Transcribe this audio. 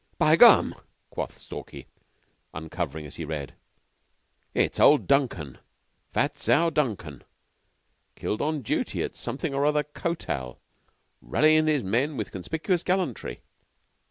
"By gum!" quoth Stalky, uncovering as he read. "It's old Duncan Fat Sow Duncan killed on duty at something or other Kotal. '_Rallyin' his men with conspicuous gallantry.